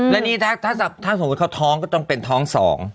และนี่ถ้าสมมุติเขาท้องก็ต้องเป็นท้อง๒